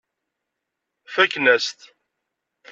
Fakken-as-t.